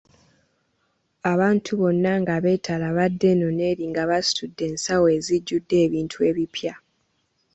Abantu bonna nga beetala badda eno n'eri era nga basitudde ensawo ezijudde ebintu ebipya.